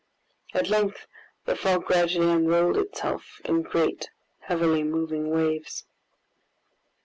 At length the fog gradually unrolled itself in great heavily moving waves.